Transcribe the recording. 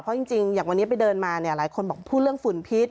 เพราะจริงอย่างวันนี้ไปเดินมาเนี่ยหลายคนบอกพูดเรื่องฝุ่นพิษ